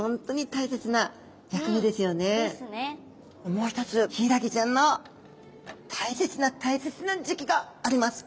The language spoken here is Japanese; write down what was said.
もう一つヒイラギちゃんの大切な大切な時期があります。